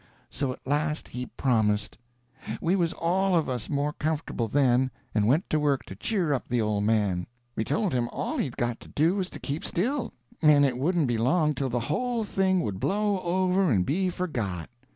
So at last he promised. We was all of us more comfortable, then, and went to work to cheer up the old man. We told him all he'd got to do was to keep still, and it wouldn't be long till the whole thing would blow over and be forgot.